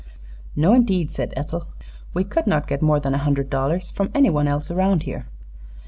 "No, indeed," said Ethel. "We could not get more than a hundred dollars from anyone else around here."